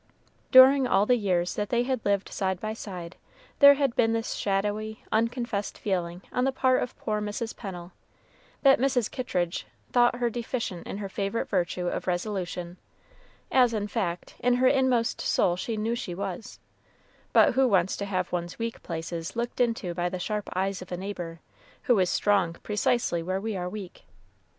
During all the years that they had lived side by side, there had been this shadowy, unconfessed feeling on the part of poor Mrs. Pennel, that Mrs. Kittridge thought her deficient in her favorite virtue of "resolution," as, in fact, in her inmost soul she knew she was; but who wants to have one's weak places looked into by the sharp eyes of a neighbor who is strong precisely where we are weak?